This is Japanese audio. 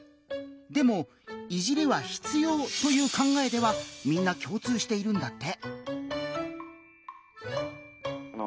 でも「いじり」は必要という考えではみんな共通しているんだって。